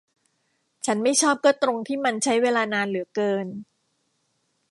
ฉันไม่ชอบก็ตรงที่มันใช้เวลานานเหลือเกิน